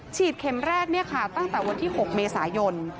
ฉีดเข็มแรกเนี่ยค่ะตั้งแต่วันที่๖เมษายน